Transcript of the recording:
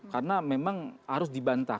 karena memang harus dibantah